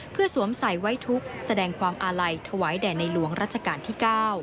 เพื่อสวมใส่ไว้ทุกข์แสดงความอาลัยถวายแด่ในหลวงรัชกาลที่๙